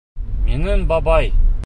«Минең бабай»!..